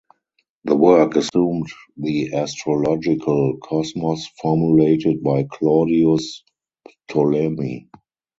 The work assumed the astrological cosmos formulated by Claudius Ptolemy.